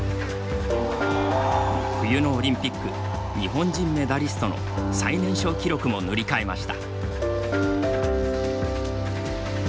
冬のオリンピック日本人メダリストの最年少記録も塗り替えました。